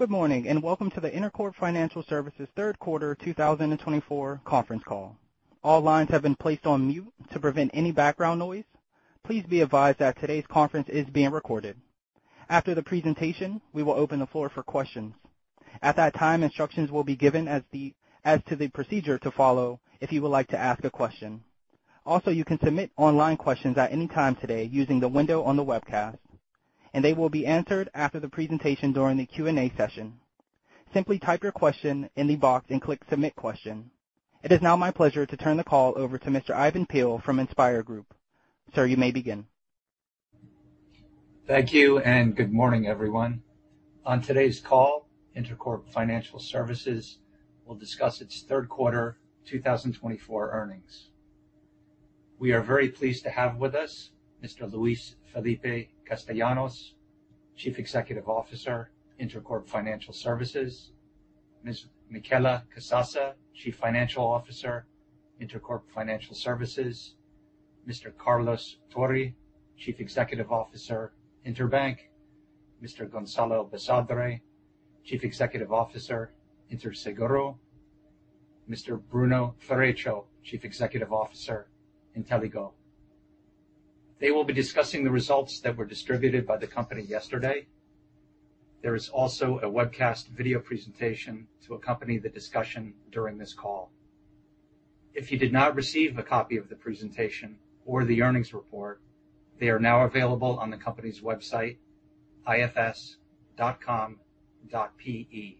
Good morning and welcome to the Intercorp Financial Services third quarter 2024 conference call. All lines have been placed on mute to prevent any background noise. Please be advised that today's conference is being recorded. After the presentation, we will open the floor for questions. At that time, instructions will be given as to the procedure to follow if you would like to ask a question. Also, you can submit online questions at any time today using the window on the webcast, and they will be answered after the presentation during the Q&A session. Simply type your question in the box and click submit question. It is now my pleasure to turn the call over to Mr. Ivan Peill from InspIR Group. Sir, you may begin. Thank you and good morning, everyone. On today's call, Intercorp Financial Services will discuss its third quarter 2024 earnings. We are very pleased to have with us Mr. Luis Felipe Castellanos, Chief Executive Officer, Intercorp Financial Services. Ms. Michela Casassa, Chief Financial Officer, Intercorp Financial Services. Mr. Carlos Tori, Chief Executive Officer, Interbank. Mr. Gonzalo Basadre, Chief Executive Officer, Interseguro. Mr. Bruno Ferreccio, Chief Executive Officer, Inteligo. They will be discussing the results that were distributed by the company yesterday. There is also a webcast video presentation to accompany the discussion during this call. If you did not receive a copy of the presentation or the earnings report, they are now available on the company's website, ifs.com.pe.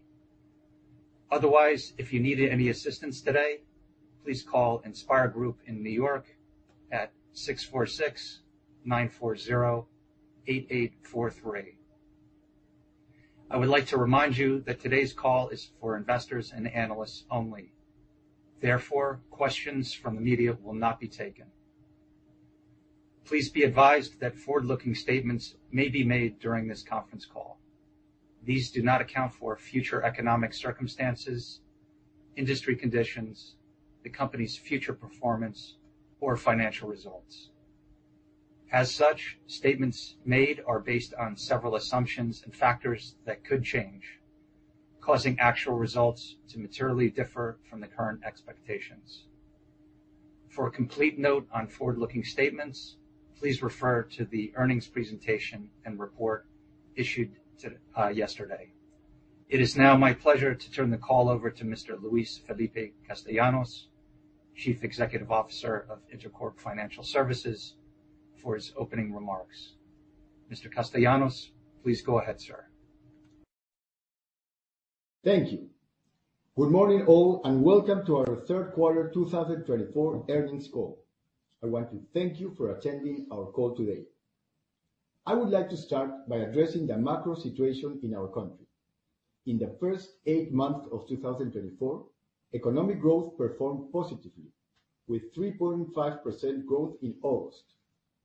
Otherwise, if you need any assistance today, please call InspIR Group in New York at 646-940-8843. I would like to remind you that today's call is for investors and analysts only. Therefore, questions from the media will not be taken. Please be advised that forward-looking statements may be made during this conference call. These do not account for future economic circumstances, industry conditions, the company's future performance, or financial results. As such, statements made are based on several assumptions and factors that could change, causing actual results to materially differ from the current expectations. For a complete note on forward-looking statements, please refer to the earnings presentation and report issued yesterday. It is now my pleasure to turn the call over to Mr. Luis Felipe Castellanos, Chief Executive Officer of Intercorp Financial Services, for his opening remarks. Mr. Castellanos, please go ahead, sir. Thank you. Good morning all and welcome to our third quarter 2024 earnings call. I want to thank you for attending our call today. I would like to start by addressing the macro situation in our country. In the first eight months of 2024, economic growth performed positively, with 3.5% growth in August,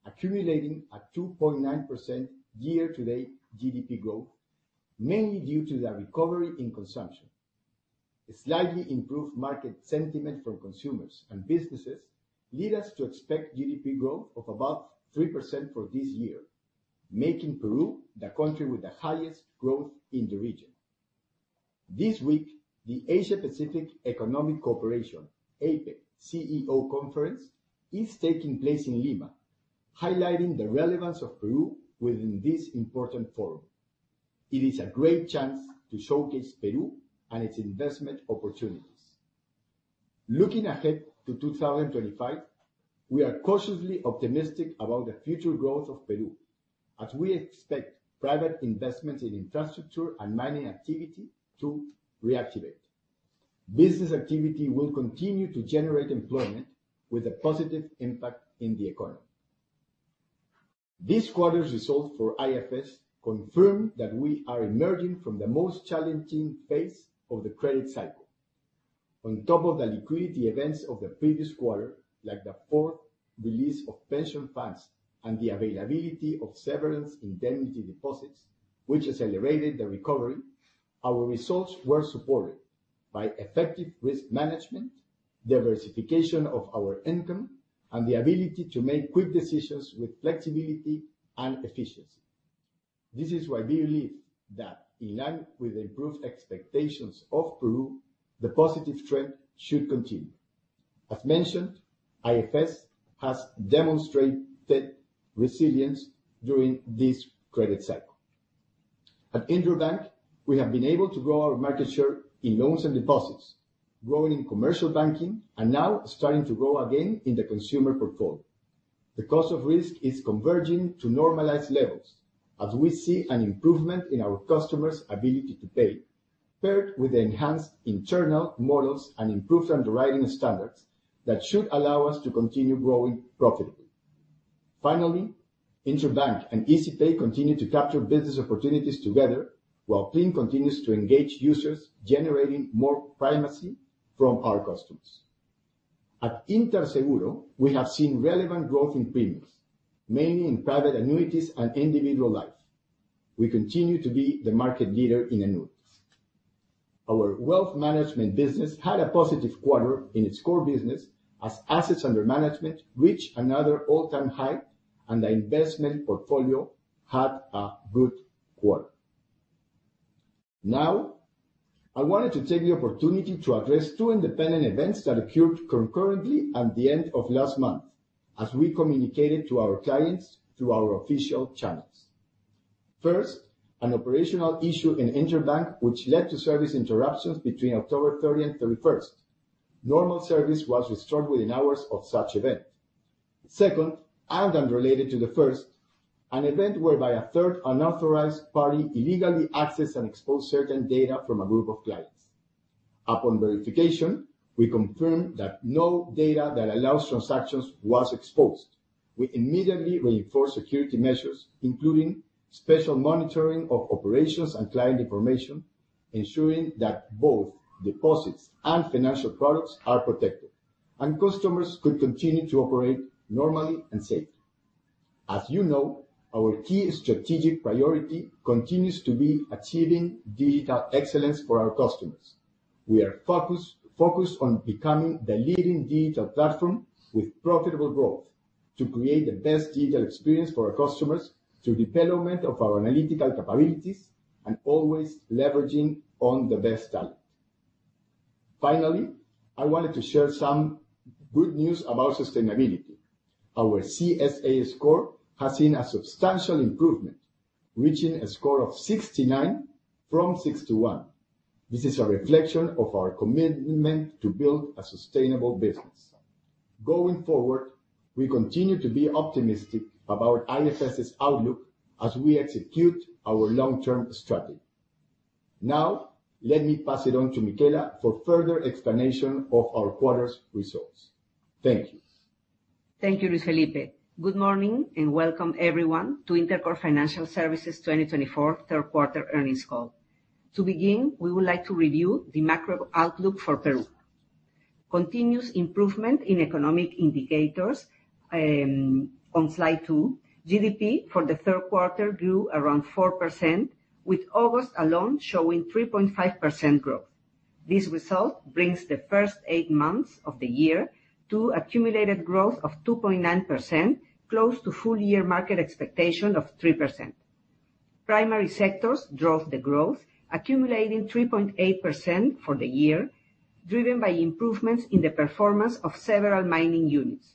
accumulating a 2.9% year-to-date GDP growth, mainly due to the recovery in consumption. Slightly improved market sentiment from consumers and businesses led us to expect GDP growth of about 3% for this year, making Peru the country with the highest growth in the region. This week, the Asia-Pacific Economic Cooperation, APEC, CEO Conference is taking place in Lima, highlighting the relevance of Peru within this important forum. It is a great chance to showcase Peru and its investment opportunities. Looking ahead to 2025, we are cautiously optimistic about the future growth of Peru, as we expect private investments in infrastructure and mining activity to reactivate. Business activity will continue to generate employment, with a positive impact in the economy. This quarter's results for IFS confirm that we are emerging from the most challenging phase of the credit cycle. On top of the liquidity events of the previous quarter, like the fourth release of pension funds and the availability of severance indemnity deposits, which accelerated the recovery, our results were supported by effective risk management, diversification of our income, and the ability to make quick decisions with flexibility and efficiency. This is why we believe that, in line with the improved expectations of Peru, the positive trend should continue. As mentioned, IFS has demonstrated resilience during this credit cycle. At Interbank, we have been able to grow our market share in loans and deposits, growing in commercial banking, and now starting to grow again in the consumer portfolio. The cost of risk is converging to normalized levels, as we see an improvement in our customers' ability to pay, paired with the enhanced internal models and improved underwriting standards that should allow us to continue growing profitably. Finally, Interbank and Izipay continue to capture business opportunities together, while PLIN continues to engage users, generating more primacy from our customers. At Interseguro, we have seen relevant growth in premiums, mainly in private annuities and individual life. We continue to be the market leader in annuities. Our wealth management business had a positive quarter in its core business, as assets under management reached another all-time high, and the investment portfolio had a good quarter. Now, I wanted to take the opportunity to address two independent events that occurred concurrently at the end of last month, as we communicated to our clients through our official channels. First, an operational issue in Interbank, which led to service interruptions between October 30 and 31. Normal service was restored within hours of such event. Second, and unrelated to the first, an event whereby a third unauthorized party illegally accessed and exposed certain data from a group of clients. Upon verification, we confirmed that no data that allows transactions was exposed. We immediately reinforced security measures, including special monitoring of operations and client information, ensuring that both deposits and financial products are protected, and customers could continue to operate normally and safely. As you know, our key strategic priority continues to be achieving digital excellence for our customers. We are focused on becoming the leading digital platform with profitable growth to create the best digital experience for our customers through the development of our analytical capabilities and always leveraging on the best talent. Finally, I wanted to share some good news about sustainability. Our CSA score has seen a substantial improvement, reaching a score of 69 from 61. This is a reflection of our commitment to build a sustainable business. Going forward, we continue to be optimistic about IFS's outlook as we execute our long-term strategy. Now, let me pass it on to Michela for further explanation of our quarter's results. Thank you. Thank you, Luis Felipe. Good morning and welcome, everyone, to Intercorp Financial Services 2024 third quarter earnings call. To begin, we would like to review the macro outlook for Peru. Continuous improvement in economic indicators. On slide two, GDP for the third quarter grew around 4%, with August alone showing 3.5% growth. This result brings the first eight months of the year to accumulated growth of 2.9%, close to full-year market expectation of 3%. Primary sectors drove the growth, accumulating 3.8% for the year, driven by improvements in the performance of several mining units.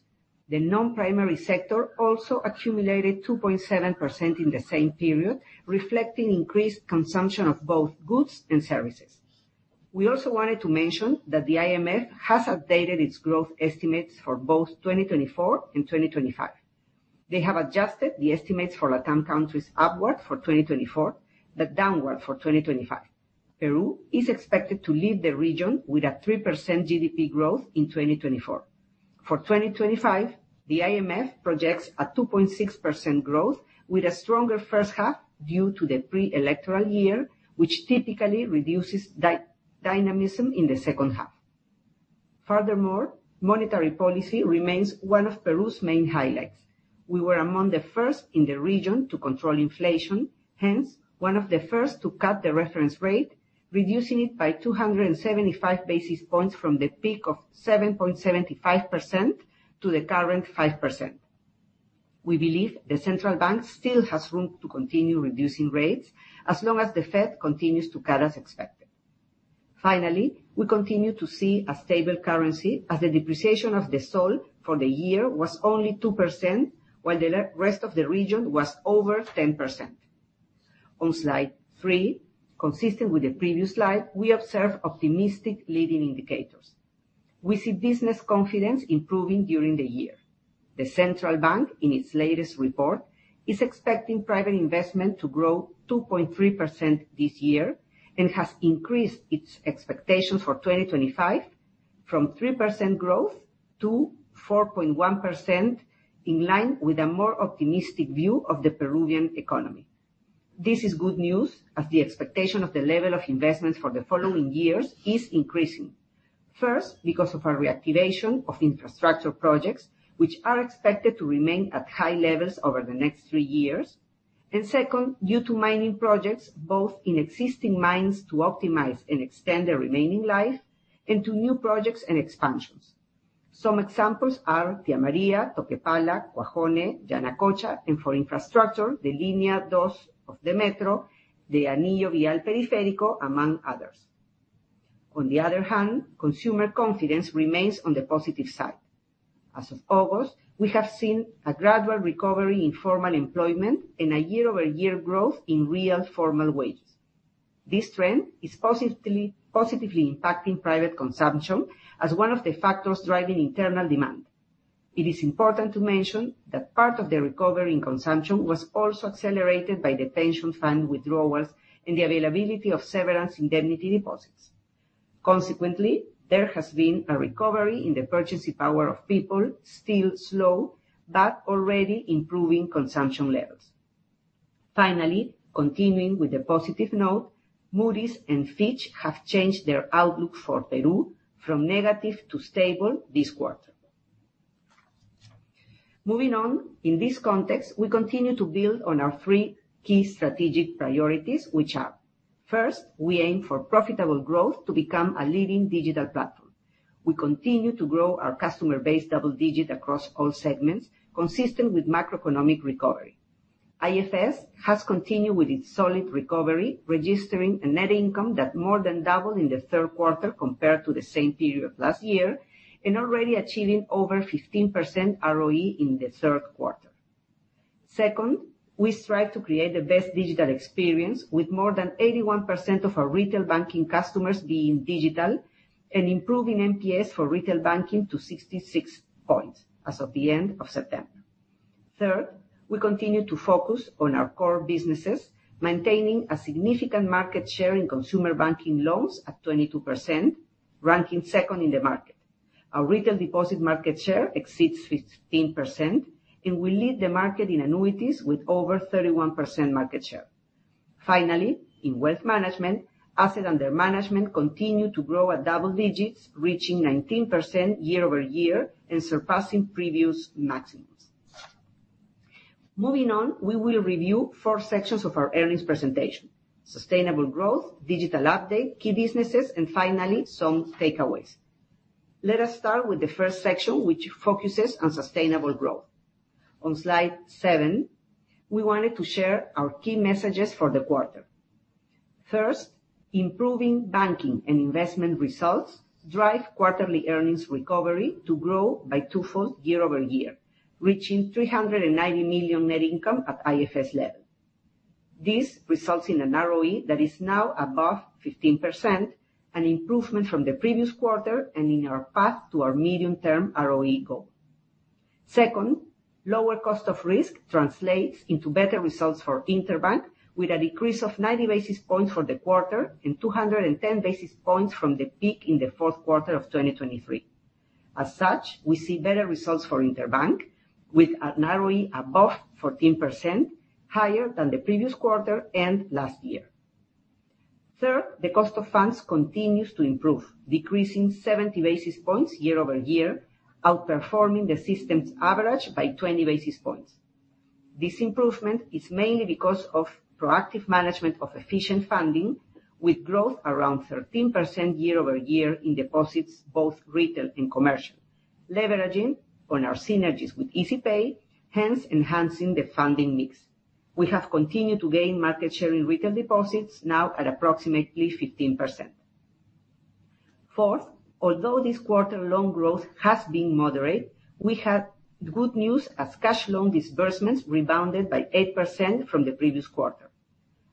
The non-primary sector also accumulated 2.7% in the same period, reflecting increased consumption of both goods and services. We also wanted to mention that the IMF has updated its growth estimates for both 2024 and 2025. They have adjusted the estimates for LatAm countries upward for 2024, but downward for 2025. Peru is expected to leave the region with a 3% GDP growth in 2024. For 2025, the IMF projects a 2.6% growth with a stronger first half due to the pre-electoral year, which typically reduces dynamism in the second half. Furthermore, monetary policy remains one of Peru's main highlights. We were among the first in the region to control inflation, hence one of the first to cut the reference rate, reducing it by 275 basis points from the peak of 7.75% to the current 5%. We believe the Central Bank still has room to continue reducing rates as long as the Fed continues to cut as expected. Finally, we continue to see a stable currency, as the depreciation of the sol for the year was only 2%, while the rest of the region was over 10%. On slide three, consistent with the previous slide, we observe optimistic leading indicators. We see business confidence improving during the year. The Central Bank, in its latest report, is expecting private investment to grow 2.3% this year and has increased its expectations for 2025 from 3% growth to 4.1%, in line with a more optimistic view of the Peruvian economy. This is good news, as the expectation of the level of investments for the following years is increasing. First, because of our reactivation of infrastructure projects, which are expected to remain at high levels over the next three years, and second, due to mining projects, both in existing mines to optimize and extend their remaining life, and to new projects and expansions. Some examples are Tía María, Toquepala, Cuajone, Yanacocha, and for infrastructure, the Línea 2 of the metro, the Anillo Vial Periférico, among others. On the other hand, consumer confidence remains on the positive side. As of August, we have seen a gradual recovery in formal employment and a year-over-year growth in real formal wages. This trend is positively impacting private consumption as one of the factors driving internal demand. It is important to mention that part of the recovery in consumption was also accelerated by the pension fund withdrawals and the availability of severance indemnity deposits. Consequently, there has been a recovery in the purchasing power of people, still slow but already improving consumption levels. Finally, continuing with the positive note, Moody's and Fitch have changed their outlook for Peru from negative to stable this quarter. Moving on, in this context, we continue to build on our three key strategic priorities, which are: first, we aim for profitable growth to become a leading digital platform. We continue to grow our customer base double-digit across all segments, consistent with macroeconomic recovery. IFS has continued with its solid recovery, registering a net income that more than doubled in the third quarter compared to the same period last year, and already achieving over 15% ROE in the third quarter. Second, we strive to create the best digital experience, with more than 81% of our retail banking customers being digital and improving NPS for retail banking to 66 points as of the end of September. Third, we continue to focus on our core businesses, maintaining a significant market share in consumer banking loans at 22%, ranking second in the market. Our retail deposit market share exceeds 15%, and we lead the market in annuities with over 31% market share. Finally, in wealth management, assets under management continues to grow at double digits, reaching 19% year-over-year and surpassing previous maximums. Moving on, we will review four sections of our earnings presentation: sustainable growth, digital update, key businesses, and finally, some takeaways. Let us start with the first section, which focuses on sustainable growth. On slide seven, we wanted to share our key messages for the quarter. First, improving banking and investment results drive quarterly earnings recovery to grow by twofold year-over-year, reaching PEN 390 million net income at IFS level. This results in an ROE that is now above 15%, an improvement from the previous quarter, and in our path to our medium-term ROE goal. Second, lower cost of risk translates into better results for Interbank, with a decrease of 90 basis points for the quarter and 210 basis points from the peak in the fourth quarter of 2023. As such, we see better results for Interbank, with an ROE above 14%, higher than the previous quarter and last year. Third, the cost of funds continues to improve, decreasing 70 basis points year-over-year, outperforming the system's average by 20 basis points. This improvement is mainly because of proactive management of efficient funding, with growth around 13% year-over-year in deposits, both retail and commercial, leveraging on our synergies with Izipay, hence enhancing the funding mix. We have continued to gain market share in retail deposits, now at approximately 15%. Fourth, although this quarter-long growth has been moderate, we had good news as cash loan disbursements rebounded by 8% from the previous quarter.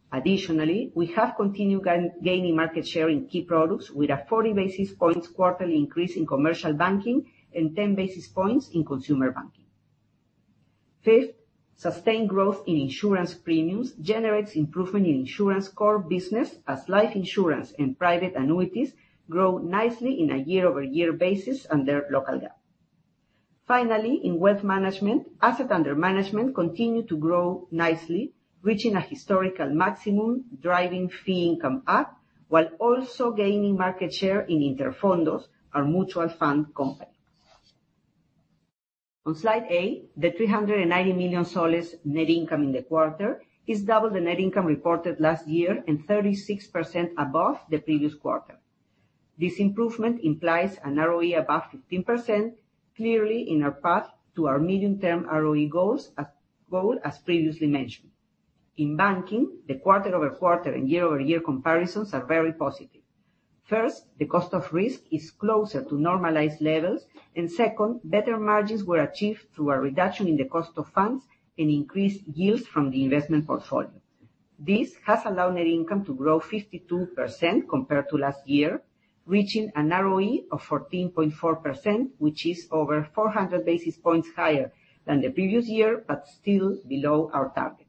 Additionally, we have continued gaining market share in key products, with a 40 basis points quarterly increase in commercial banking and 10 basis points in consumer banking. Fifth, sustained growth in insurance premiums generates improvement in insurance core business, as life insurance and private annuities grow nicely on a year-over-year basis under local GAAP. Finally, in wealth management, asset under management continues to grow nicely, reaching a historical maximum, driving fee income up, while also gaining market share in Interfondos, our mutual fund company. On slide eight, the PEN 390 million net income in the quarter is double the net income reported last year and 36% above the previous quarter. This improvement implies an ROE above 15%, clearly in our path to our medium-term ROE goal, as previously mentioned. In banking, the quarter-over-quarter and year-over-year comparisons are very positive. First, the cost of risk is closer to normalized levels, and second, better margins were achieved through a reduction in the cost of funds and increased yields from the investment portfolio. This has allowed net income to grow 52% compared to last year, reaching an ROE of 14.4%, which is over 400 basis points higher than the previous year, but still below our target.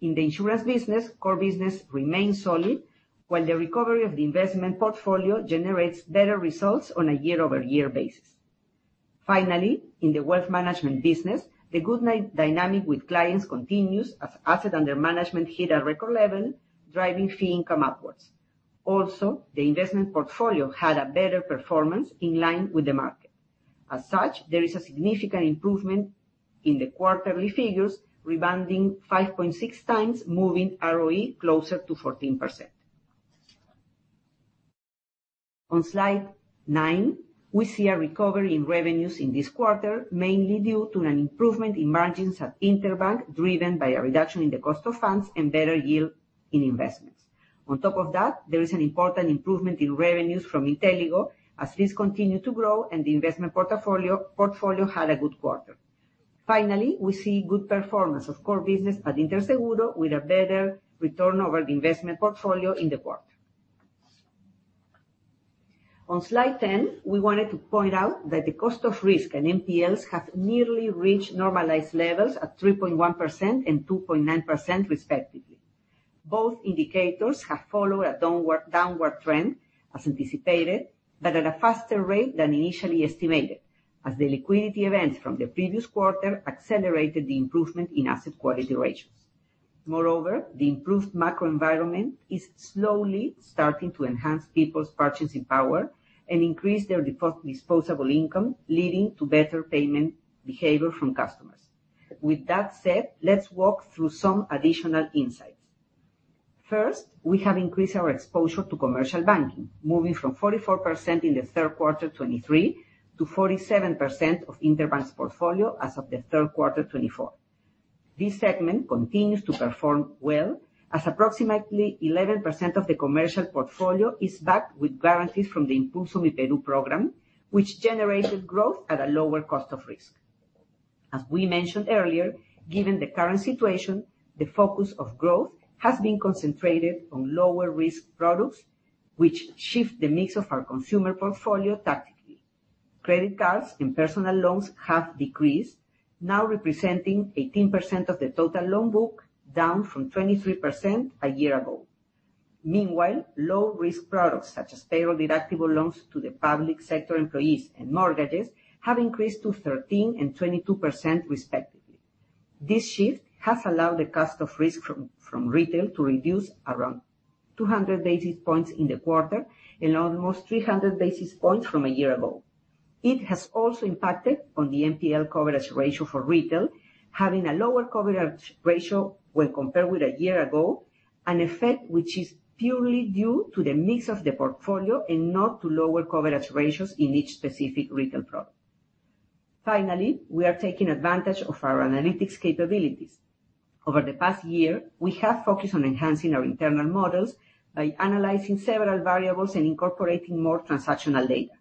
In the insurance business, core business remains solid, while the recovery of the investment portfolio generates better results on a year-over-year basis. Finally, in the wealth management business, the good dynamic with clients continues as asset under management hit a record level, driving fee income upwards. Also, the investment portfolio had a better performance in line with the market. As such, there is a significant improvement in the quarterly figures, rebounding 5.6 times, moving ROE closer to 14%. On slide nine, we see a recovery in revenues in this quarter, mainly due to an improvement in margins at Interbank, driven by a reduction in the cost of funds and better yield in investments. On top of that, there is an important improvement in revenues from Inteligo, as this continued to grow and the investment portfolio had a good quarter. Finally, we see good performance of core business at Interseguro, with a better return over the investment portfolio in the quarter. On slide 10, we wanted to point out that the cost of risk and NPLs have nearly reached normalized levels at 3.1% and 2.9%, respectively. Both indicators have followed a downward trend, as anticipated, but at a faster rate than initially estimated, as the liquidity events from the previous quarter accelerated the improvement in asset quality ratios. Moreover, the improved macro environment is slowly starting to enhance people's purchasing power and increase their disposable income, leading to better payment behavior from customers. With that said, let's walk through some additional insights. First, we have increased our exposure to commercial banking, moving from 44% in the third quarter 2023 to 47% of Interbank's portfolio as of the third quarter 2024. This segment continues to perform well, as approximately 11% of the commercial portfolio is backed with guarantees from the Impulso MYPERÚ program, which generated growth at a lower cost of risk. As we mentioned earlier, given the current situation, the focus of growth has been concentrated on lower-risk products, which shift the mix of our consumer portfolio tactically. Credit cards and personal loans have decreased, now representing 18% of the total loan book, down from 23% a year ago. Meanwhile, low-risk products such as payroll deductible loans to the public sector employees and mortgages have increased to 13% and 22%, respectively. This shift has allowed the cost of risk from retail to reduce around 200 basis points in the quarter and almost 300 basis points from a year ago. It has also impacted on the NPL coverage ratio for retail, having a lower coverage ratio when compared with a year ago, an effect which is purely due to the mix of the portfolio and not to lower coverage ratios in each specific retail product. Finally, we are taking advantage of our analytics capabilities. Over the past year, we have focused on enhancing our internal models by analyzing several variables and incorporating more transactional data.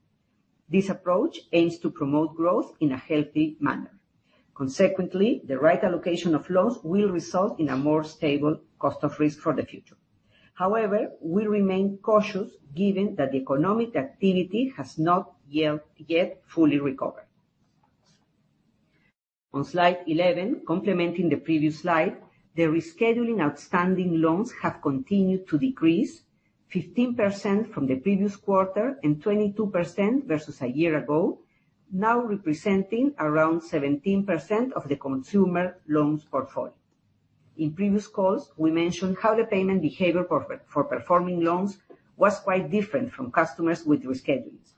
This approach aims to promote growth in a healthy manner. Consequently, the right allocation of loans will result in a more stable cost of risk for the future. However, we remain cautious given that the economic activity has not yet fully recovered. On slide 11, complementing the previous slide, the rescheduled outstanding loans have continued to decrease 15% from the previous quarter and 22% versus a year ago, now representing around 17% of the consumer loans portfolio. In previous calls, we mentioned how the payment behavior for performing loans was quite different from customers with reschedulings,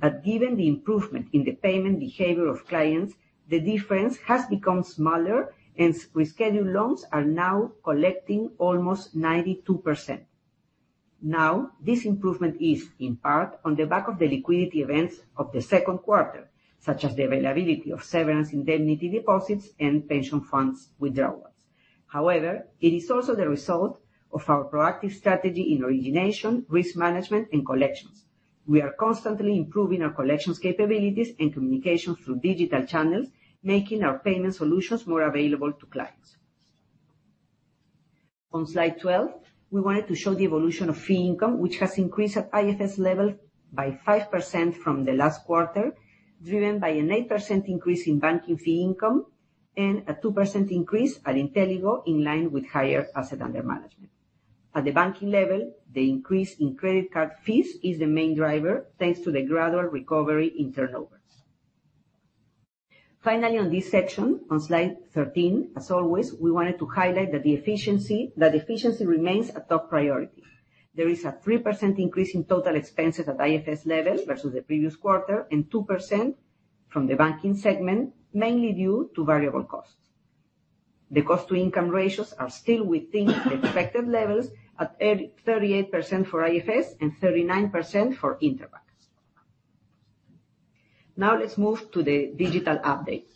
but given the improvement in the payment behavior of clients, the difference has become smaller, and rescheduled loans are now collecting almost 92%. Now, this improvement is, in part, on the back of the liquidity events of the second quarter, such as the availability of severance indemnity deposits and pension funds withdrawals. However, it is also the result of our proactive strategy in origination, risk management, and collections. We are constantly improving our collections capabilities and communication through digital channels, making our payment solutions more available to clients. On slide 12, we wanted to show the evolution of fee income, which has increased at IFS level by 5% from the last quarter, driven by an 8% increase in banking fee income and a 2% increase at Inteligo, in line with higher asset under management. At the banking level, the increase in credit card fees is the main driver, thanks to the gradual recovery in turnover. Finally, on this section, on slide 13, as always, we wanted to highlight that the efficiency remains a top priority. There is a 3% increase in total expenses at IFS level versus the previous quarter and 2% from the banking segment, mainly due to variable costs. The cost-to-income ratios are still within the expected levels, at 38% for IFS and 39% for Interbank. Now, let's move to the digital update.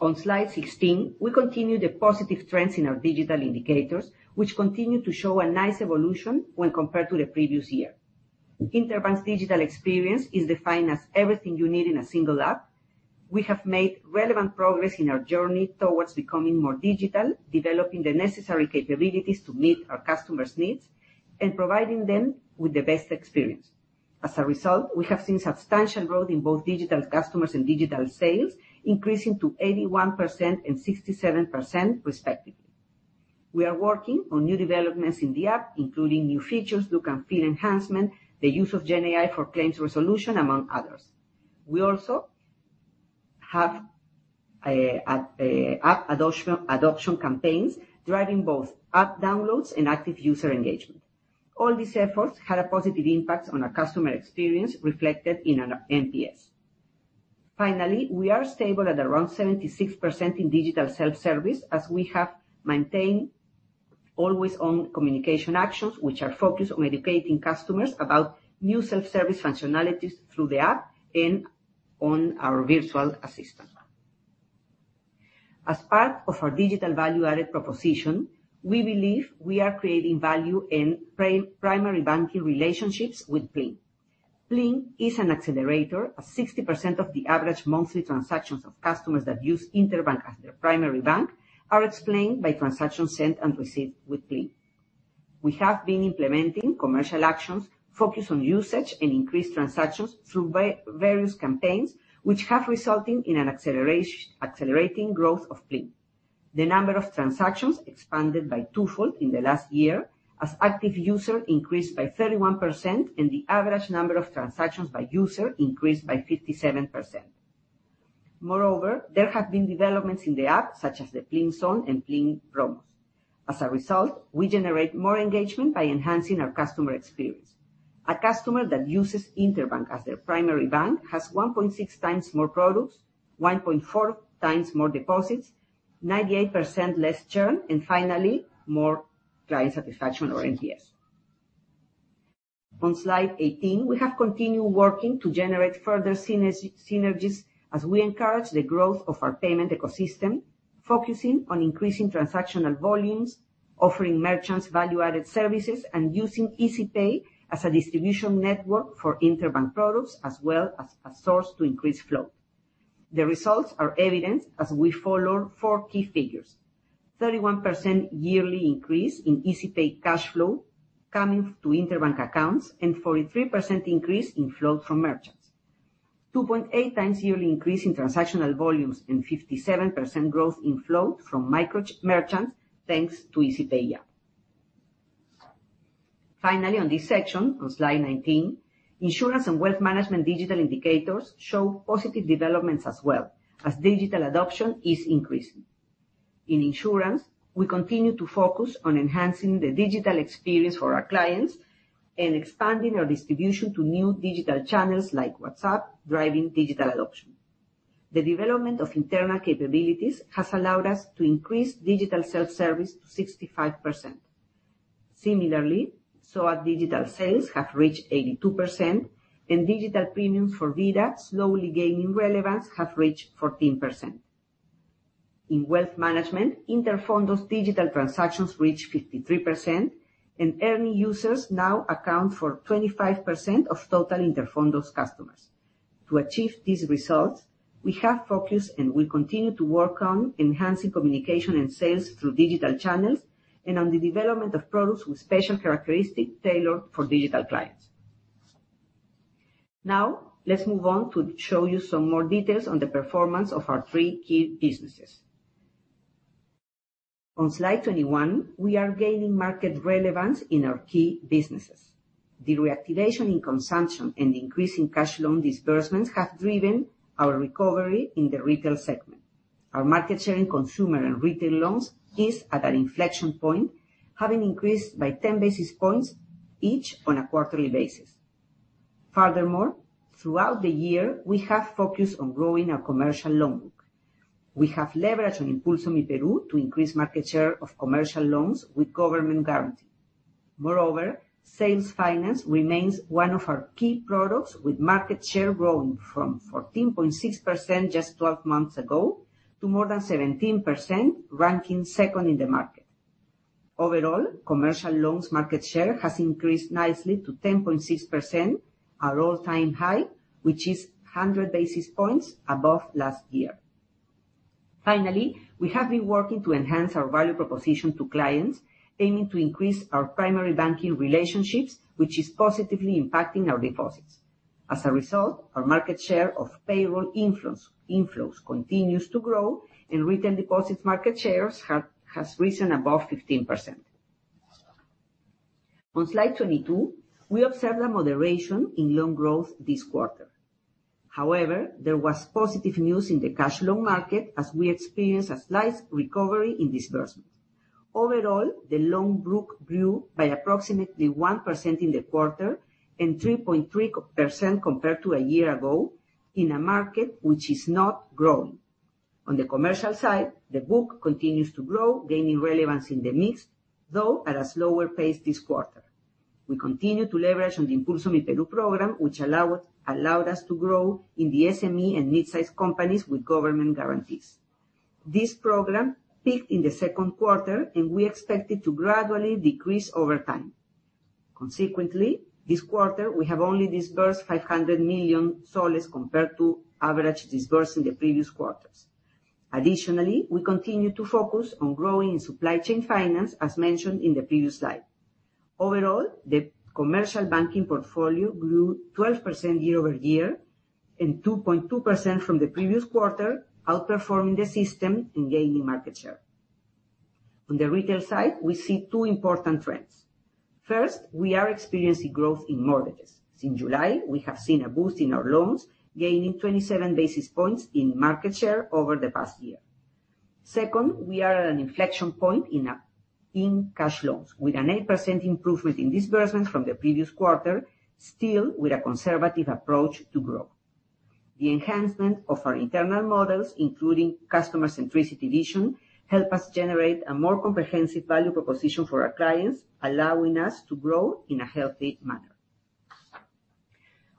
On slide 16, we continue the positive trends in our digital indicators, which continue to show a nice evolution when compared to the previous year. Interbank's digital experience is defined as everything you need in a single app. We have made relevant progress in our journey towards becoming more digital, developing the necessary capabilities to meet our customers' needs, and providing them with the best experience. As a result, we have seen substantial growth in both digital customers and digital sales, increasing to 81% and 67%, respectively. We are working on new developments in the app, including new features, look and feel enhancement, the use of GenAI for claims resolution, among others. We also have app adoption campaigns, driving both app downloads and active user engagement. All these efforts had a positive impact on our customer experience, reflected in our NPS. Finally, we are stable at around 76% in digital self-service, as we have maintained always-on communication actions, which are focused on educating customers about new self-service functionalities through the app and on our virtual assistant. As part of our digital value-added proposition, we believe we are creating value in primary banking relationships with PLIN. PLIN is an accelerator, as 60% of the average monthly transactions of customers that use Interbank as their primary bank are explained by transactions sent and received with PLIN. We have been implementing commercial actions focused on usage and increased transactions through various campaigns, which have resulted in an accelerating growth of PLIN. The number of transactions expanded by twofold in the last year, as active users increased by 31% and the average number of transactions by users increased by 57%. Moreover, there have been developments in the app, such as the PLIN Zone and PLIN Promos. As a result, we generate more engagement by enhancing our customer experience. A customer that uses Interbank as their primary bank has 1.6 times more products, 1.4 times more deposits, 98% less churn, and finally, more client satisfaction or NPS. On slide 18, we have continued working to generate further synergies as we encourage the growth of our payment ecosystem, focusing on increasing transactional volumes, offering merchants value-added services, and using Izipay as a distribution network for Interbank products, as well as a source to increase flow. The results are evident as we follow four key figures: 31% yearly increase in Izipay cash flow coming to Interbank accounts and 43% increase in flow from merchants, 2.8 times yearly increase in transactional volumes, and 57% growth in flow from merchants thanks to Izipay app. Finally, on this section, on slide 19, insurance and wealth management digital indicators show positive developments as well, as digital adoption is increasing. In insurance, we continue to focus on enhancing the digital experience for our clients and expanding our distribution to new digital channels like WhatsApp, driving digital adoption. The development of internal capabilities has allowed us to increase digital self-service to 65%. Similarly, so are digital sales that have reached 82%, and digital premiums for Vida, slowly gaining relevance, have reached 14%. In wealth management, Interfondos' digital transactions reach 53%, and earning users now account for 25% of total Interfondos customers. To achieve these results, we have focused and will continue to work on enhancing communication and sales through digital channels and on the development of products with special characteristics tailored for digital clients. Now, let's move on to show you some more details on the performance of our three key businesses. On slide 21, we are gaining market relevance in our key businesses. The reactivation in consumption and the increase in cash loan disbursements have driven our recovery in the retail segment. Our market share in consumer and retail loans is at an inflection point, having increased by 10 basis points each on a quarterly basis. Furthermore, throughout the year, we have focused on growing our commercial loan book. We have leveraged on Impulso MYPERÚ to increase market share of commercial loans with government guarantee. Moreover, sales finance remains one of our key products, with market share growing from 14.6% just 12 months ago to more than 17%, ranking second in the market. Overall, commercial loans' market share has increased nicely to 10.6%, our all-time high, which is 100 basis points above last year. Finally, we have been working to enhance our value proposition to clients, aiming to increase our primary banking relationships, which is positively impacting our deposits. As a result, our market share of payroll inflows continues to grow, and retail deposits market share has risen above 15%. On slide 22, we observed a moderation in loan growth this quarter. However, there was positive news in the cash loan market, as we experienced a slight recovery in disbursements. Overall, the loan book grew by approximately 1% in the quarter and 3.3% compared to a year ago in a market which is not growing. On the commercial side, the book continues to grow, gaining relevance in the mix, though at a slower pace this quarter. We continue to leverage on the Impulso MYPERÚ program, which allowed us to grow in the SME and mid-sized companies with government guarantees. This program peaked in the second quarter, and we expect it to gradually decrease over time. Consequently, this quarter, we have only disbursed PEN 500 million compared to average disbursed in the previous quarters. Additionally, we continue to focus on growing in supply chain finance, as mentioned in the previous slide. Overall, the commercial banking portfolio grew 12% year over year and 2.2% from the previous quarter, outperforming the system and gaining market share. On the retail side, we see two important trends. First, we are experiencing growth in mortgages. Since July, we have seen a boost in our loans, gaining 27 basis points in market share over the past year. Second, we are at an inflection point in cash loans, with an 8% improvement in disbursements from the previous quarter, still with a conservative approach to growth. The enhancement of our internal models, including customer-centricity vision, helps us generate a more comprehensive value proposition for our clients, allowing us to grow in a healthy manner.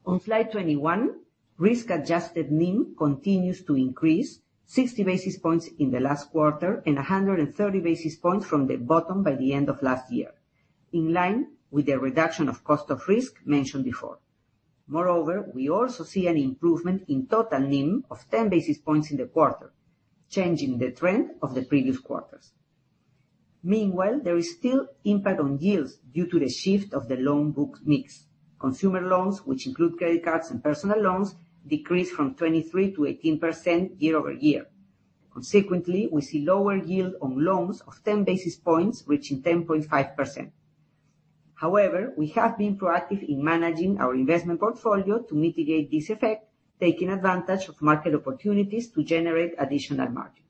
On slide 21, risk-adjusted NIM continues to increase, 60 basis points in the last quarter and 130 basis points from the bottom by the end of last year, in line with the reduction of cost of risk mentioned before. Moreover, we also see an improvement in total NIM of 10 basis points in the quarter, changing the trend of the previous quarters. Meanwhile, there is still impact on yields due to the shift of the loan book mix. Consumer loans, which include credit cards and personal loans, decreased from 23% to 18% year over year. Consequently, we see lower yield on loans of 10 basis points, reaching 10.5%. However, we have been proactive in managing our investment portfolio to mitigate this effect, taking advantage of market opportunities to generate additional margins.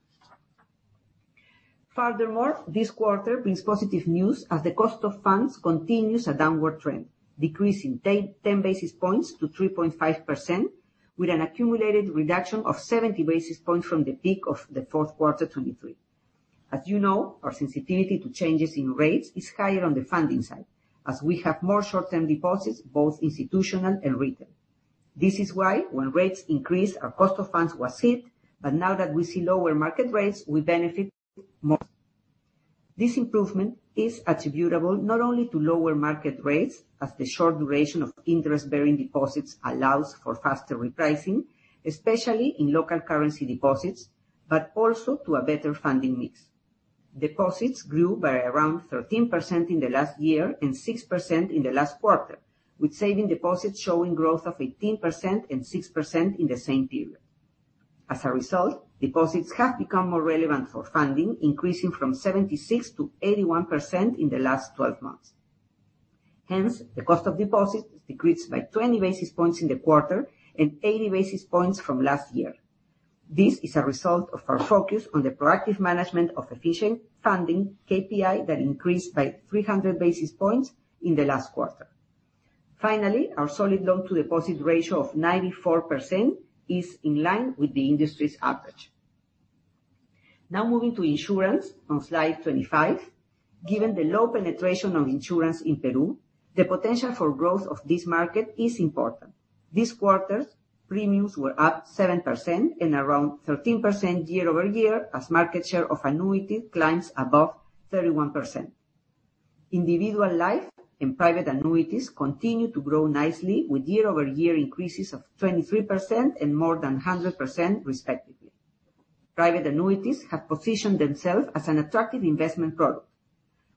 Furthermore, this quarter brings positive news as the cost of funds continues a downward trend, decreasing 10 basis points to 3.5%, with an accumulated reduction of 70 basis points from the peak of the fourth quarter 2023. As you know, our sensitivity to changes in rates is higher on the funding side, as we have more short-term deposits, both institutional and retail. This is why when rates increased, our cost of funds was hit, but now that we see lower market rates, we benefit more. This improvement is attributable not only to lower market rates, as the short duration of interest-bearing deposits allows for faster repricing, especially in local currency deposits, but also to a better funding mix. Deposits grew by around 13% in the last year and 6% in the last quarter, with savings deposits showing growth of 18% and 6% in the same period. As a result, deposits have become more relevant for funding, increasing from 76% to 81% in the last 12 months. Hence, the cost of deposits decreased by 20 basis points in the quarter and 80 basis points from last year. This is a result of our focus on the proactive management of efficient funding KPI that increased by 300 basis points in the last quarter. Finally, our solid loan-to-deposit ratio of 94% is in line with the industry's average. Now, moving to insurance on slide 25, given the low penetration of insurance in Peru, the potential for growth of this market is important. This quarter, premiums were up 7% and around 13% year over year, as market share of annuities climbs above 31%. Individual life and private annuities continue to grow nicely, with year-over-year increases of 23% and more than 100%, respectively. Private annuities have positioned themselves as an attractive investment product.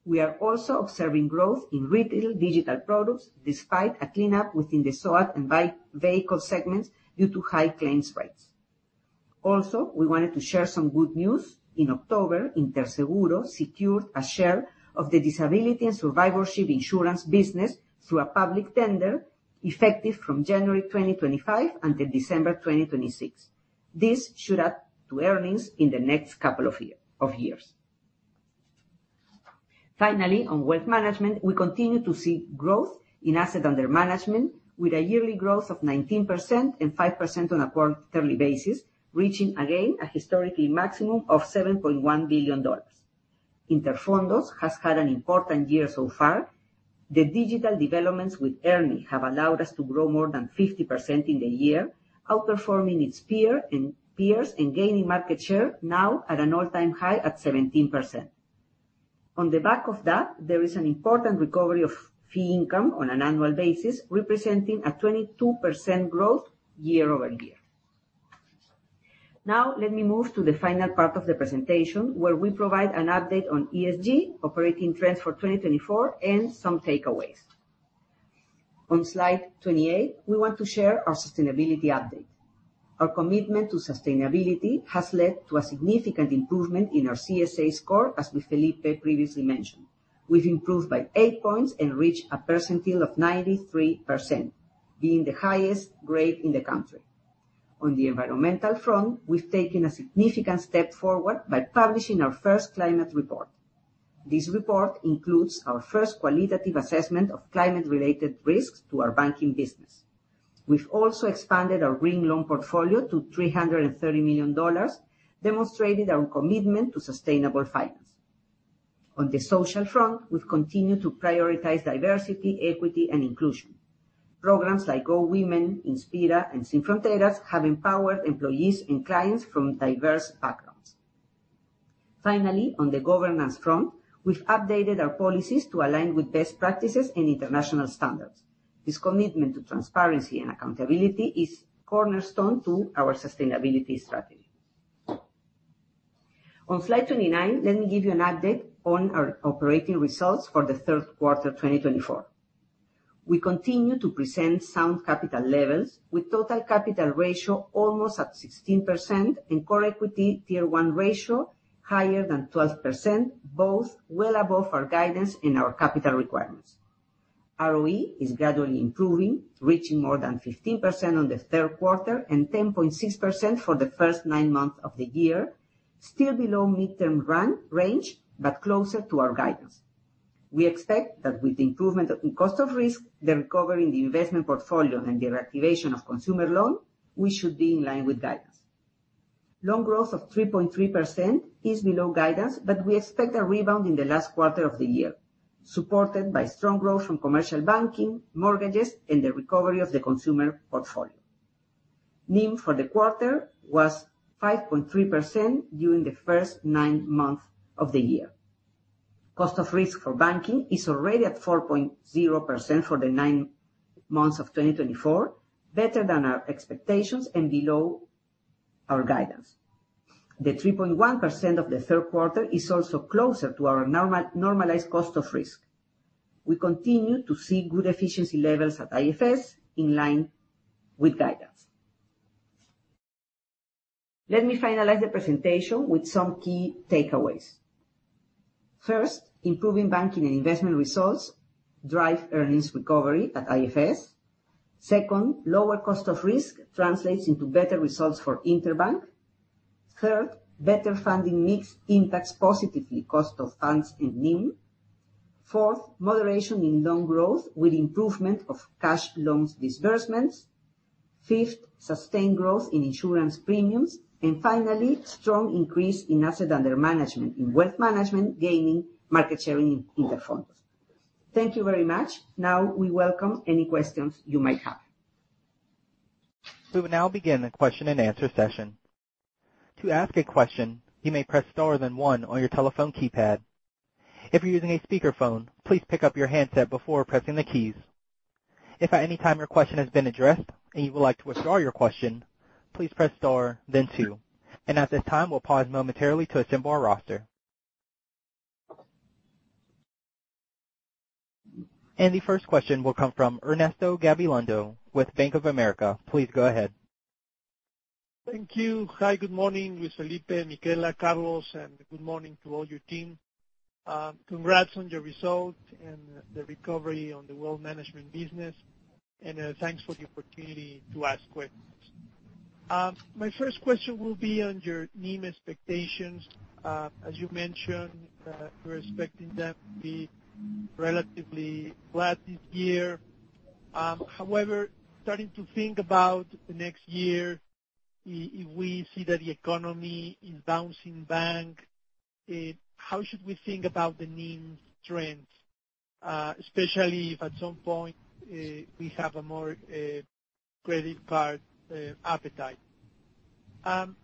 We are also observing growth in retail digital products, despite a cleanup within the SOAT and vehicle segments due to high claims rates. Also, we wanted to share some good news. In October, InterSeguro secured a share of the disability and survivorship insurance business through a public tender effective from January 2025 until December 2026. This should add to earnings in the next couple of years. Finally, on wealth management, we continue to see growth in asset under management, with a yearly growth of 19% and 5% on a quarterly basis, reaching again a historically maximum of $7.1 billion. Interfondos has had an important year so far. The digital developments with ERNI have allowed us to grow more than 50% in the year, outperforming its peers and gaining market share now at an all-time high at 17%. On the back of that, there is an important recovery of fee income on an annual basis, representing a 22% growth year over year. Now, let me move to the final part of the presentation, where we provide an update on ESG operating trends for 2024 and some takeaways. On slide 28, we want to share our sustainability update. Our commitment to sustainability has led to a significant improvement in our CSA score, as Felipe previously mentioned. We've improved by eight points and reached a percentile of 93%, being the highest grade in the country. On the environmental front, we've taken a significant step forward by publishing our first climate report. This report includes our first qualitative assessment of climate-related risks to our banking business. We've also expanded our green loan portfolio to $330 million, demonstrating our commitment to sustainable finance. On the social front, we've continued to prioritize diversity, equity, and inclusion. Programs like Go Women, Inspira, and Sin Fronteras have empowered employees and clients from diverse backgrounds. Finally, on the governance front, we've updated our policies to align with best practices and international standards. This commitment to transparency and accountability is a cornerstone to our sustainability strategy. On slide 29, let me give you an update on our operating results for the third quarter 2024. We continue to present sound capital levels, with total capital ratio almost at 16% and core equity tier one ratio higher than 12%, both well above our guidance and our capital requirements. ROE is gradually improving, reaching more than 15% on the third quarter and 10.6% for the first nine months of the year, still below midterm range, but closer to our guidance. We expect that with the improvement in cost of risk, the recovery in the investment portfolio, and the reactivation of consumer loans, we should be in line with guidance. Loan growth of 3.3% is below guidance, but we expect a rebound in the last quarter of the year, supported by strong growth from commercial banking, mortgages, and the recovery of the consumer portfolio. NIM for the quarter was 5.3% during the first nine months of the year. Cost of risk for banking is already at 4.0% for the nine months of 2024, better than our expectations and below our guidance. The 3.1% of the third quarter is also closer to our normalized cost of risk. We continue to see good efficiency levels at IFS, in line with guidance. Let me finalize the presentation with some key takeaways. First, improving banking and investment results drive earnings recovery at IFS. Second, lower cost of risk translates into better results for Interbank. Third, better funding mix impacts positively cost of funds and NIM. Fourth, moderation in loan growth with improvement of cash loans disbursements. Fifth, sustained growth in insurance premiums. And finally, strong increase in assets under management in wealth management, gaining market share in Interfondos. Thank you very much. Now, we welcome any questions you might have. We will now begin the question and answer session. To ask a question, you may press star, then one on your telephone keypad. If you're using a speakerphone, please pick up your handset before pressing the keys. If at any time your question has been addressed and you would like to withdraw your question, please press star, then two. And at this time, we'll pause momentarily to assemble our roster. And the first question will come from Ernesto Gabilondo with Bank of America. Please go ahead. Thank you. Hi, good morning. Luis Felipe, Michela, Carlos, and good morning to all your team. Congrats on your result and the recovery on the wealth management business. And thanks for the opportunity to ask questions. My first question will be on your NIM expectations. As you mentioned, we're expecting them to be relatively flat this year. However, starting to think about the next year, if we see that the economy is bouncing back, how should we think about the NIM trends, especially if at some point we have a more credit card appetite? And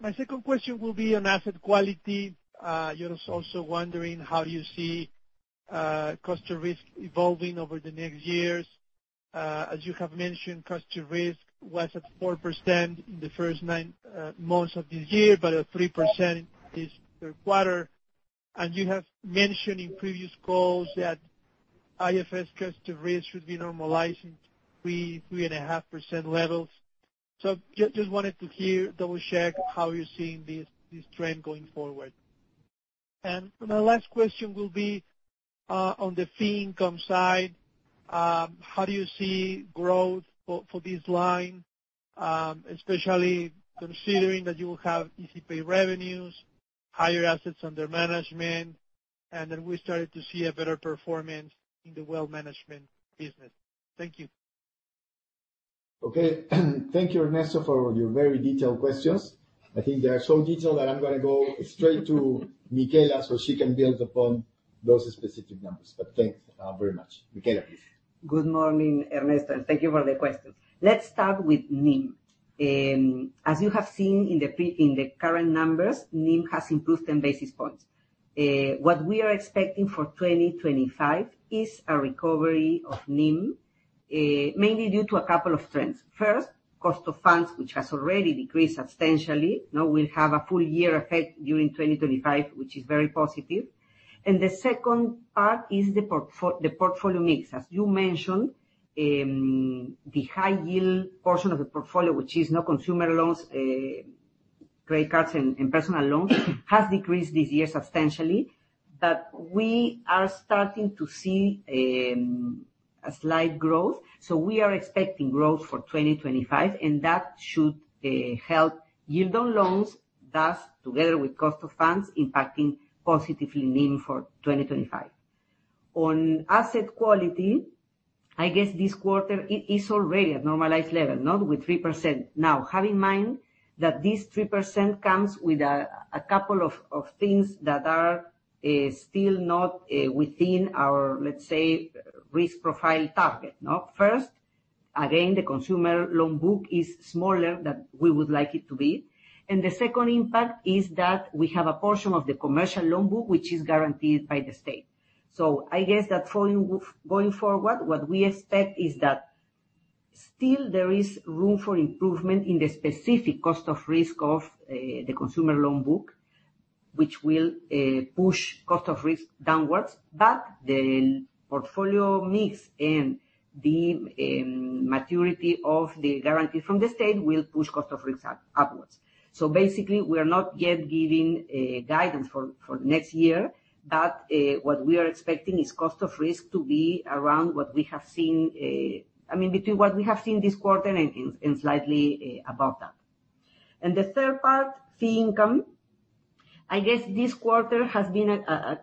my second question will be on asset quality. You're also wondering how do you see cost of risk evolving over the next years. As you have mentioned, cost of risk was at 4% in the first nine months of this year, but at 3% in this third quarter. And you have mentioned in previous calls that IFS cost of risk should be normalizing to 3.5% levels. So just wanted to hear, double-check how you're seeing this trend going forward. And my last question will be on the fee income side. How do you see growth for this line, especially considering that you will have Izipay revenues, higher assets under management, and then we started to see a better performance in the wealth management business? Thank you. Okay. Thank you, Ernesto, for your very detailed questions. I think they are so detailed that I'm going to go straight to Michela so she can build upon those specific numbers. But thanks very much. Michela, please. Good morning, Ernesto. And thank you for the question. Let's start with NIM. As you have seen in the current numbers, NIM has improved 10 basis points. What we are expecting for 2025 is a recovery of NIM, mainly due to a couple of trends. First, cost of funds, which has already decreased substantially. We'll have a full year effect during 2025, which is very positive. And the second part is the portfolio mix. As you mentioned, the high-yield portion of the portfolio, which is consumer loans, credit cards, and personal loans, has decreased this year substantially. But we are starting to see a slight growth. So we are expecting growth for 2025, and that should help yield on loans, thus together with cost of funds, impacting positively NIM for 2025. On asset quality, I guess this quarter is already at normalized level, with 3% now. Have in mind that this 3% comes with a couple of things that are still not within our, let's say, risk profile target. First, again, the consumer loan book is smaller than we would like it to be. And the second impact is that we have a portion of the commercial loan book, which is guaranteed by the state. So I guess that going forward, what we expect is that still there is room for improvement in the specific cost of risk of the consumer loan book, which will push cost of risk downwards. But the portfolio mix and the maturity of the guarantees from the state will push cost of risk upwards. So basically, we are not yet giving guidance for the next year, but what we are expecting is cost of risk to be around what we have seen, I mean, between what we have seen this quarter and slightly above that. And the third part, fee income, I guess this quarter has been a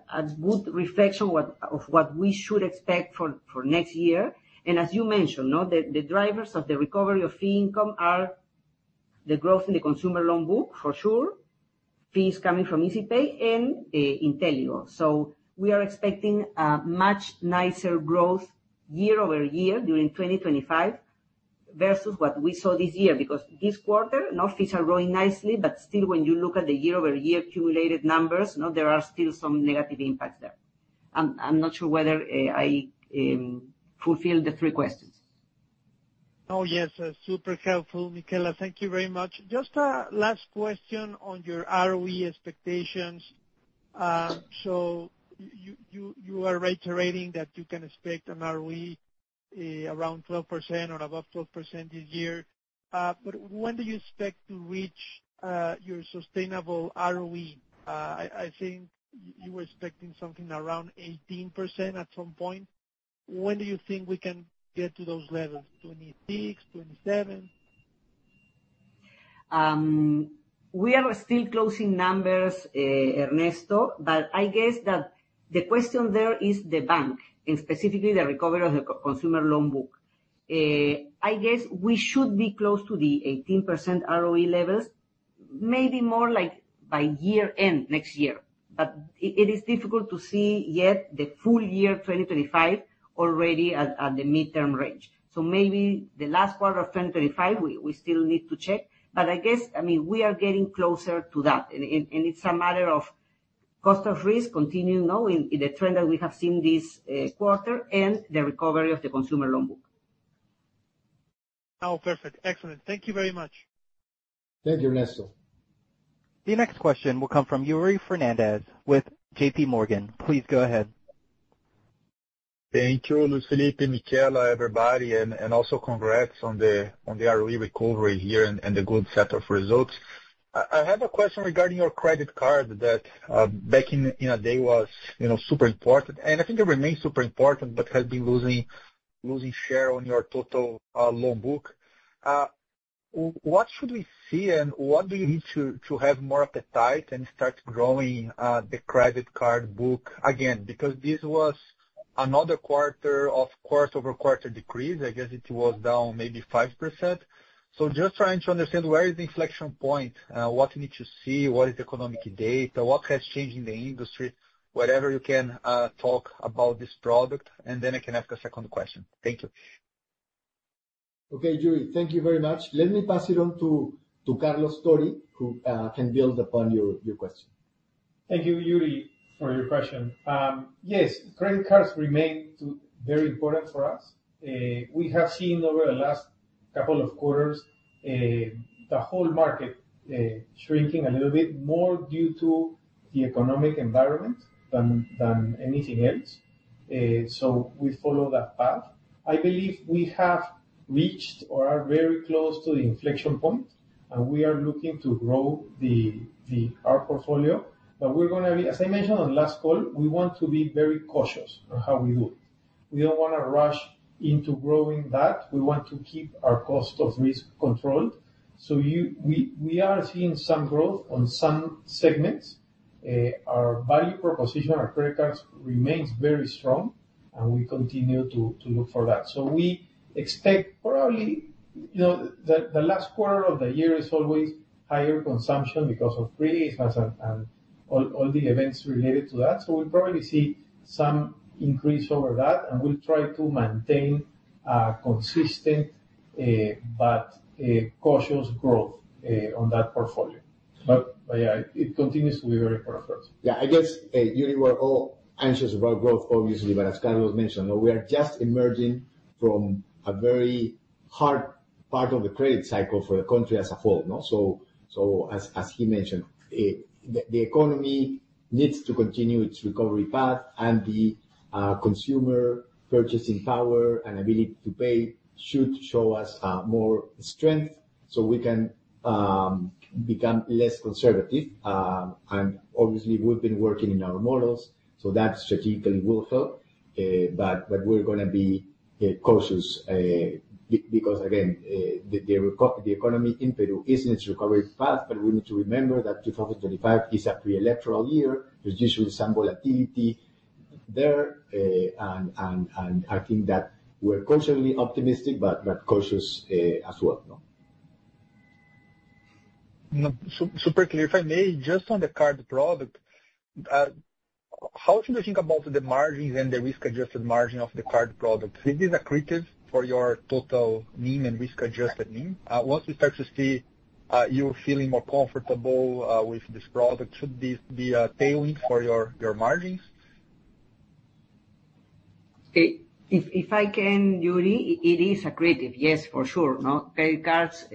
good reflection of what we should expect for next year. And as you mentioned, the drivers of the recovery of fee income are the growth in the consumer loan book, for sure, fees coming from Izipay, and Inteligo. We are expecting a much nicer growth year-over-year during 2025 versus what we saw this year, because this quarter, fees are growing nicely, but still, when you look at the year-over-year accumulated numbers, there are still some negative impacts there. I'm not sure whether I fulfilled the three questions. Oh, yes. Super helpful, Michela. Thank you very much. Just a last question on your ROE expectations. So you are reiterating that you can expect an ROE around 12% or above 12% this year. But when do you expect to reach your sustainable ROE? I think you were expecting something around 18% at some point. When do you think we can get to those levels, 26, 27? We are still closing numbers, Ernesto, but I guess that the question there is the bank, and specifically the recovery of the consumer loan book. I guess we should be close to the 18% ROE levels, maybe more by year-end next year, but it is difficult to see yet the full year 2025 already at the midterm range, so maybe the last quarter of 2025, we still need to check, but I guess, I mean, we are getting closer to that, and it's a matter of cost of risk continuing in the trend that we have seen this quarter and the recovery of the consumer loan book. Oh, perfect. Excellent. Thank you very much. Thank you, Ernesto. The next question will come from Yuri Fernandes with JPMorgan. Please go ahead. Thank you, Luis Felipe, Michela, everybody, and also congrats on the ROE recovery here and the good set of results. I have a question regarding your credit card that back in the day was super important, and I think it remains super important, but has been losing share on your total loan book. What should we see, and what do you need to have more appetite and start growing the credit card book again? Because this was another quarter of quarter-over-quarter decrease. I guess it was down maybe 5%. So just trying to understand where is the inflection point, what you need to see, what is the economic data, what has changed in the industry, whatever you can talk about this product, and then I can ask a second question. Thank you. Okay, Yuri, thank you very much. Let me pass it on to Carlos Tori, who can build upon your question. Thank you, Yuri, for your question. Yes, credit cards remain very important for us. We have seen over the last couple of quarters the whole market shrinking a little bit more due to the economic environment than anything else. So we follow that path. I believe we have reached or are very close to the inflection point, and we are looking to grow our portfolio. But we're going to be, as I mentioned on the last call, we want to be very cautious on how we do it. We don't want to rush into growing that. We want to keep our cost of risk controlled. So we are seeing some growth on some segments. Our value proposition, our credit cards remains very strong, and we continue to look for that. So we expect probably the last quarter of the year is always higher consumption because of fiestas and all the events related to that. We'll probably see some increase over that, and we'll try to maintain consistent but cautious growth on that portfolio. But yeah, it continues to be very important for us. Yeah, I guess, Yuri, we're all anxious about growth, obviously, but as Carlos mentioned, we are just emerging from a very hard part of the credit cycle for the country as a whole. As he mentioned, the economy needs to continue its recovery path, and the consumer purchasing power and ability to pay should show us more strength so we can become less conservative. Obviously, we've been working in our models, so that strategically will help. We're going to be cautious because, again, the economy in Peru is in its recovery path, but we need to remember that 2025 is a pre-electoral year. There's usually some volatility there. I think that we're cautiously optimistic, but cautious as well. Super clear. If I may, just on the card product, how should we think about the margins and the risk-adjusted margin of the card product? Is this accretive for your total NIM and risk-adjusted NIM? Once we start to see you feeling more comfortable with this product, should this be a tailwind for your margins? If I can, Yuri, it is accretive. Yes, for sure. Credit cards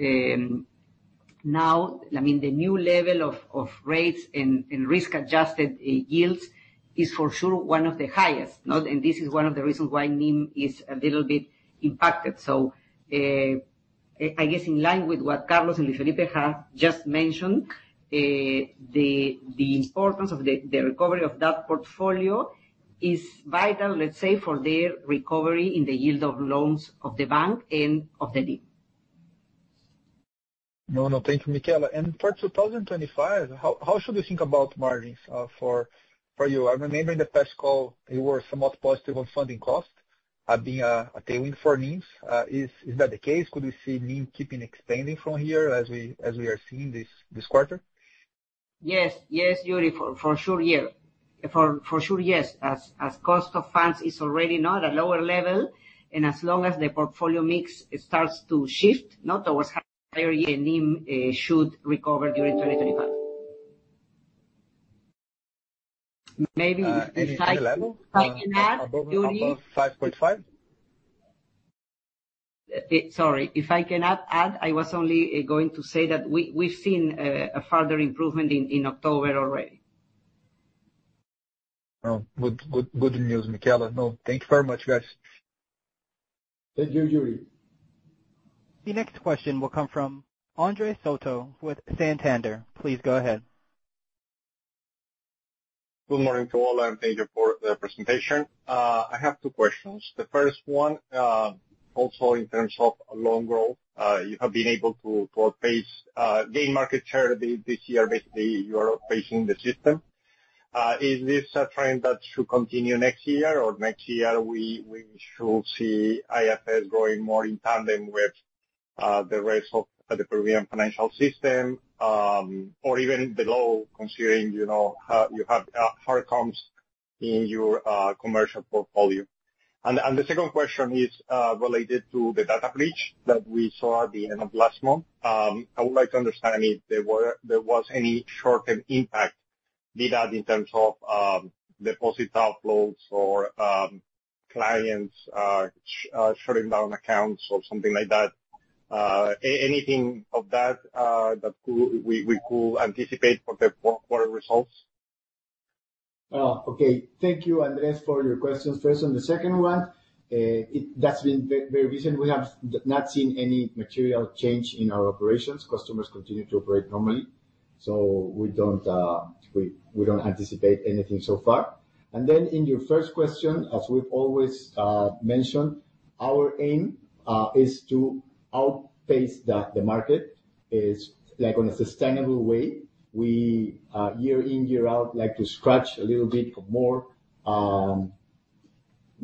now, I mean, the new level of rates and risk-adjusted yields is for sure one of the highest. And this is one of the reasons why NIM is a little bit impacted. So I guess in line with what Carlos and Luis Felipe have just mentioned, the importance of the recovery of that portfolio is vital, let's say, for their recovery in the yield of loans of the bank and of the NIM. No, no. Thank you, Michela. And for 2025, how should we think about margins for you? I remember in the past call, you were somewhat positive on funding cost being a tailwind for NIMs. Is that the case? Could we see NIM keeping expanding from here as we are seeing this quarter? Yes. Yes, Yuri, for sure. Yeah. For sure, yes. As cost of funds is already at a lower level, and as long as the portfolio mix starts to shift not towards higher yield, NIM should recover during 2025. Maybe if I can add Yuri - Above 5.5? Sorry. If I can add, I was only going to say that we've seen a further improvement in October already. Good news, Michela. No, thank you very much, guys. Thank you, Yuri. The next question will come from Andres Soto with Santander. Please go ahead. Good morning to all, and thank you for the presentation. I have two questions. The first one, also in terms of loan growth, you have been able to outpace and gain market share this year. Basically, you are outpacing the system. Is this a trend that should continue next year, or next year we should see IFS growing more in tandem with the rest of the Peruvian financial system, or even below, considering you have hard comps in your commercial portfolio? And the second question is related to the data breach that we saw at the end of last month. I would like to understand if there was any short-term impact from that in terms of deposit outflows or clients shutting down accounts or something like that. Anything of that that we could anticipate for the quarter results? Okay. Thank you, Andres, for your questions. First, on the second one, that's been very recent. We have not seen any material change in our operations. Customers continue to operate normally. So we don't anticipate anything so far. And then in your first question, as we've always mentioned, our aim is to outpace the market in a sustainable way. We year in, year out like to grab a little bit more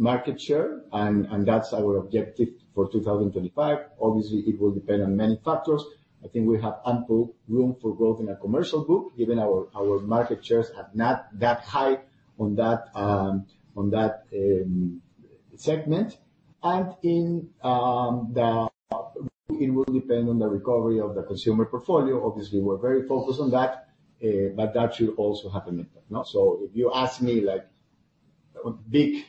market share, and that's our objective for 2025. Obviously, it will depend on many factors. I think we have ample room for growth in our commercial book, given our market shares are not that high in that segment. And it will depend on the recovery of the consumer portfolio. Obviously, we're very focused on that, but that should also happen in time. So if you ask me, big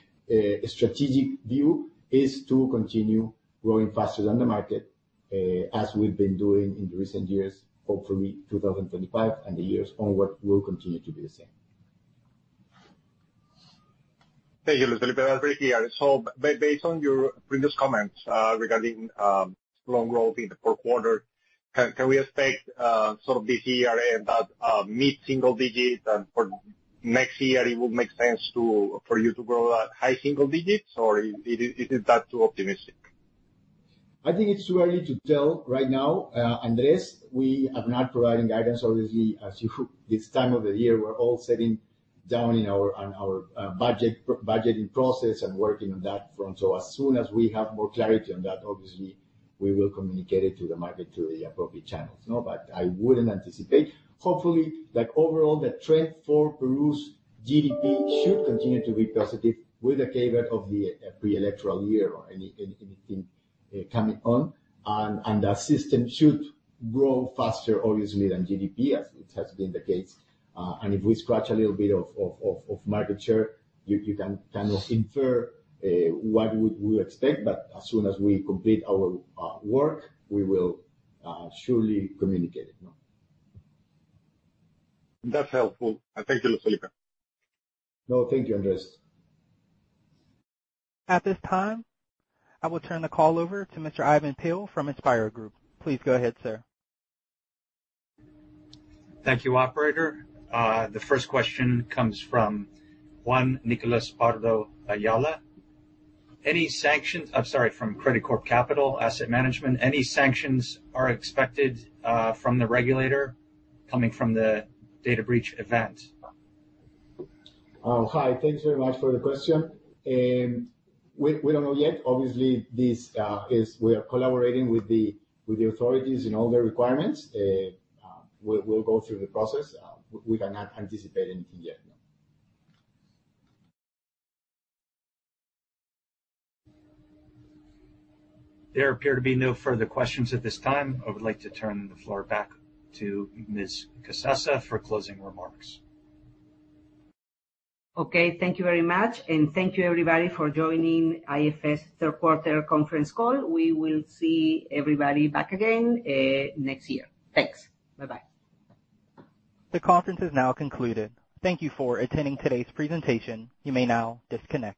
strategic view is to continue growing faster than the market, as we've been doing in the recent years. Hopefully 2025 and the years onward will continue to be the same. Thank you, Luis Felipe. That's very clear. So based on your previous comments regarding loan growth in the fourth quarter, can we expect sort of this year that mid-single digit and for next year, it will make sense for you to grow at high single digits, or is it that too optimistic? I think it's too early to tell right now, Andres. We are not providing guidance, obviously, as this time of the year, we're all sitting down in our budgeting process and working on that front. So as soon as we have more clarity on that, obviously, we will communicate it to the market through the appropriate channels. But I wouldn't anticipate. Hopefully, overall, the trend for Peru's GDP should continue to be positive with the caveat of the pre-electoral year or anything coming on. And that system should grow faster, obviously, than GDP, as it has been the case. And if we scratch a little bit of market share, you can kind of infer what we would expect. But as soon as we complete our work, we will surely communicate it. That's helpful. Thank you, Luis Felipe. No, thank you, Andres. At this time, I will turn the call over to Mr. Ivan Peill from InspIR Group. Please go ahead, sir. Thank you, operator. The first question comes from Juan Nicolás Pardo Ayala. Any sanctions? I'm sorry, from Credicorp Capital Asset Management. Any sanctions are expected from the regulator coming from the data breach event? Hi. Thanks very much for the question. We don't know yet. Obviously, we are collaborating with the authorities and all their requirements. We'll go through the process. We cannot anticipate anything yet. There appear to be no further questions at this time. I would like to turn the floor back to Ms. Casassa for closing remarks. Okay. Thank you very much, and thank you, everybody, for joining IFS third-quarter conference call. We will see everybody back again next year. Thanks. Bye-bye. The conference is now concluded. Thank you for attending today's presentation. You may now disconnect.